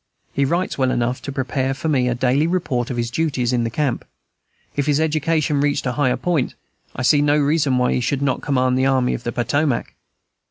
He writes well enough to prepare for me a daily report of his duties in the camp; if his education reached a higher point, I see no reason why he should not command the Army of the Potomac.